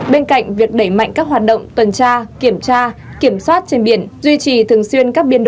bên cạnh việc đẩy mạnh các hoạt động tuần tra kiểm tra kiểm soát trên biển